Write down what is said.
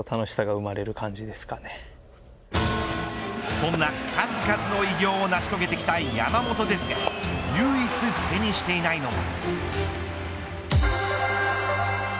そんな数々の偉業を成し遂げてきた山本ですが唯一、手にしていないのが。